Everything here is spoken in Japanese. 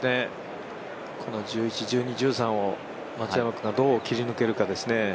この１１、１２、１３を松山君がどう切り抜けるかですね。